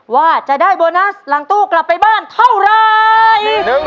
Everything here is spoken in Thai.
ว่าจะได้โบนัสหลังตู้กลับไปบ้านเท่าไร